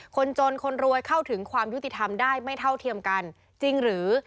คนจนคนรวยเข้าถึงความยุติธรรมได้ไม่เท่าเทียมกันจริงหรือ